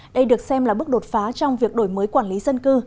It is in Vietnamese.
đây được xem là bước đột phá trong việc đổi mới quản lý dân cư